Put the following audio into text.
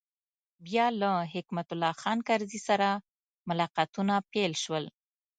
بیا له حکمت الله خان کرزي سره ملاقاتونه پیل شول.